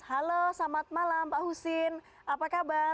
halo selamat malam pak husin apa kabar